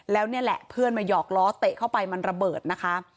แล้วนี่แหละเพื่อนมาหยอกล้อเตะเข้าไปมันระเบิดนะคะ